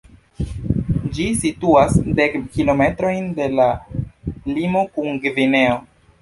Ĝi situas dek kilometrojn de la limo kun Gvineo.